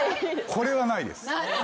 これはないです。